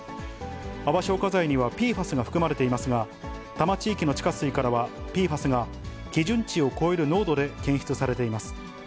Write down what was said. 泡消火剤にはＰＦＡＳが含まれていますが、多摩地域の地下水からは、ＰＦＡＳが基準値を超える濃度で検出されています。